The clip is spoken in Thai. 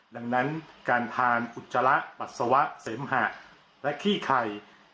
ดังนั้นการทานอุจจาระปัสสาวะเสมหะและขี้ไข่